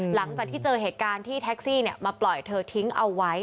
หลังจากที่เจอเหตุการณ์ที่แท็กซี่มาปล่อยเธอทิ้งเอาไว้